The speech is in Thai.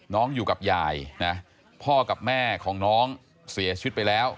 อยู่กับยายนะพ่อกับแม่ของน้องเสียชีวิตไปแล้ว